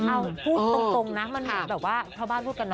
เอาพูดตรงนะมันเหมือนแบบว่าชาวบ้านพูดกันนะ